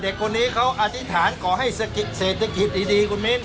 เด็กคนนี้เขาอธิษฐานขอให้เศรษฐกิจดีคุณมิ้น